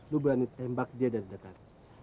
lu berani tembak dia dari dekat